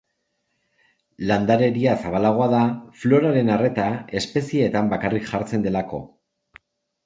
Landaredia zabalagoa da, floraren arreta espezieetan bakarrik jartzen delako.